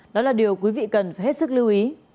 đó là điều quý vị cần phải hết sức lưu ý